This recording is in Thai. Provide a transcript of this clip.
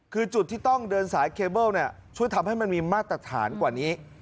คือจุดที่ต้องเดินสายเคเบิ้ลช่วยทำให้มันมีมาตรฐานกว่านี้